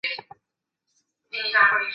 刘粲及后就派靳准杀死刘乂。